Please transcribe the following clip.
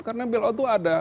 karena bailout tuh ada